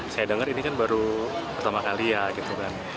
saya dengar ini kan baru pertama kali ya gitu kan